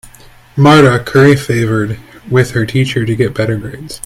Marta curry favored with her teacher to get better grades.